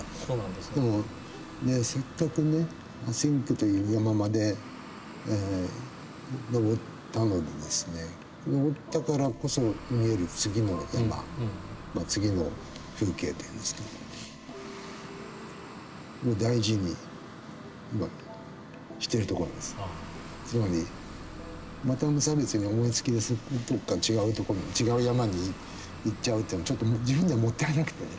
でもせっかくね「ａｓｙｎｃ」という山まで登ったのでですね登ったからこそ見えるつまりまた無差別に思いつきでどっか違うとこに違う山に行っちゃうっていうのもちょっと自分ではもったいなくてね。